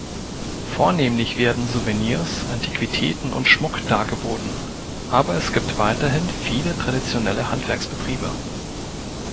Vornehmlich werden Souvenirs, Antiquitäten und Schmuck dargeboten, aber es gibt weiterhin viele traditionelle Handwerksbetriebe.